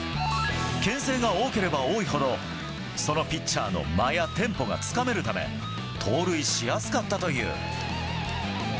牽制が多ければ多いほどそのピッチャーの間やテンポがつかめるため盗塁しやすかったという。